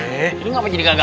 ini kenapa jadi gagal